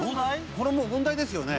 これもう問題ですよね？